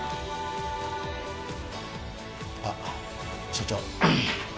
あっ所長